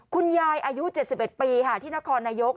อายุ๗๑ปีค่ะที่นครนายก